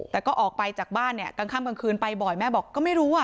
แต่ก็ออกไปจากบ้านเนี่ยกลางค่ำกลางคืนไปบ่อยแม่บอกก็ไม่รู้อ่ะ